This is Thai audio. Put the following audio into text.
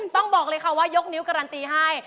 ต้องบอกเลยค่ะว่ายกนิ้วการันตีให้